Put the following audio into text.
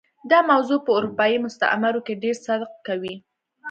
دا موضوع په اروپايي مستعمرو کې ډېر صدق کوي.